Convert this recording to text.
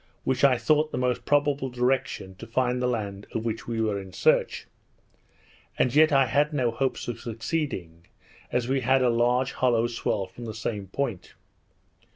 which I thought the most probable direction to find the land of which we were in search; and yet I had no hopes of succeeding, as we had a large hollow swell from the same point.